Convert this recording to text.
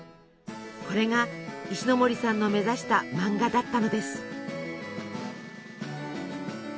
これが石森さんの目指したマンガだったのです。